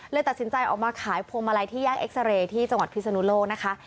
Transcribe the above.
ตัดสินใจออกมาขายพวงมาลัยที่แยกเอ็กซาเรย์ที่จังหวัดพิศนุโลกนะคะ